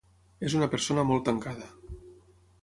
És una persona molt tancada.